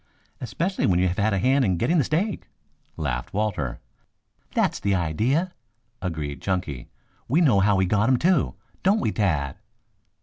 "Especially when you have had a hand in getting the steak," laughed Walter. "That's the idea," agreed Chunky. "We know how we got him, too, don't we, Tad?"